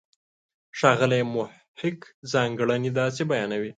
ښاغلی محق ځانګړنې داسې بیانوي.